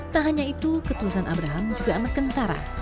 tak hanya itu ketulusan abraham juga amat kentara